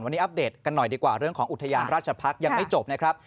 วันนี้อัปเดตกันหน่อยดีกว่าเรื่องของอุทยานราชพักษ์ยังไม่จบนะครับ